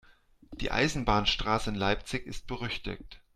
Die Eisenbahnstraße in Leipzig ist berüchtigt.